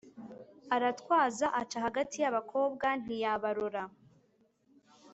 aratwaza aca hagati y'abakobwa ntiyabarora,